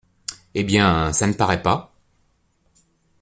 Eh bien, ça ne paraît pas.